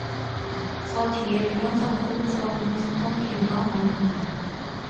저 뒤에 동영상으로 주암동 사건 개요가 나올 겁니다.